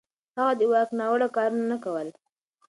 هغه د واک ناوړه کارونه نه کول.